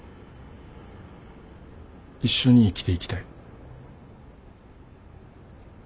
一緒に生きていきたい。